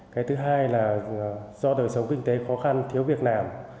cái thứ hai là do đời sống kinh tế khó khăn thiếu việc làm